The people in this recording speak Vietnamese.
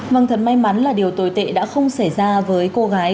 cảm ơn các bạn đã theo dõi